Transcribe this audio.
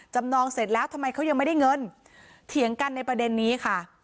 นองเสร็จแล้วทำไมเขายังไม่ได้เงินเถียงกันในประเด็นนี้ค่ะ